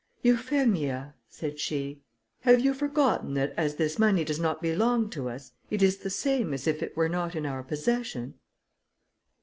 "Euphemia," said she, "have you forgotten that as this money does not belong to us, it is the same as if it were not in our possession?"